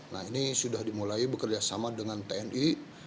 nah ini sudah dimulai bekerjasama dengan tni